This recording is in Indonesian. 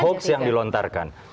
hoaks yang dilontarkan